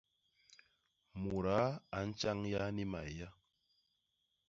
Mudaa a ntjañya ni maéya.